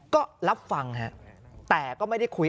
ก็รับฟังฮะแต่ก็ไม่ได้คุย